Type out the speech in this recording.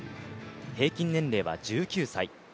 平均年齢は１９歳。